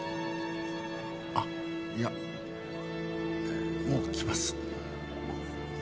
あっいやもう来ます。